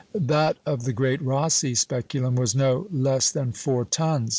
That of the great Rosse speculum was no less than four tons.